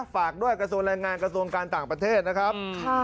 ฝากด้วยกระทรวงแรงงานกระทรวงการต่างประเทศนะครับ